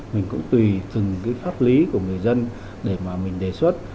mình cũng tùy từng pháp lý của người dân để mình đề xuất